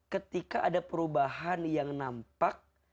ketika ada perubahan yang nampak